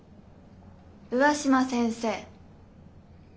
上嶋先生。